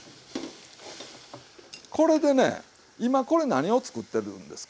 これでね今これ何を作ってるんですか？